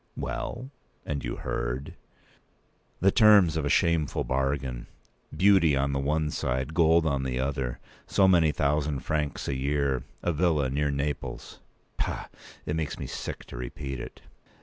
"Well, and you heard—" "The terms of a shameful bargain—beauty on the one side, gold on the other; so many thousand francs a year; a villa near Naples—Pah! it makes me sick to repeat it."